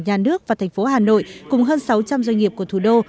nhà nước và thành phố hà nội cùng hơn sáu trăm linh doanh nghiệp của thủ đô